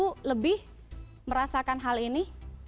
dua minggu lebih merasakan hal ini